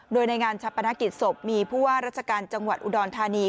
โดยในงานชาปนกิจศพมีผู้ว่าราชการจังหวัดอุดรธานี